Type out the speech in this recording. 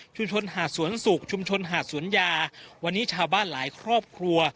หาดสวนสุกชุมชนหาดสวนยาวันนี้ชาวบ้านหลายครอบครัว